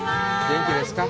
元気ですか？